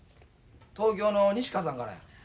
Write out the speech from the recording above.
東京の西川さんからや。